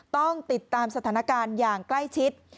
ต้องติดตามสถานการณ์อย่างใกล้ชิด